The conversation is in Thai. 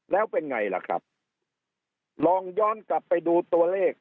แล้วเป็นไงล่ะครับลองย้อนกลับไปดูตัวเลข